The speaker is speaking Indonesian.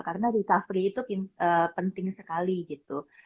karena risa free itu penting sekali gitu